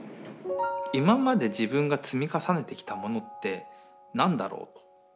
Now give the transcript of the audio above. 今まで自分が積み重ねてきたものって何だろうと。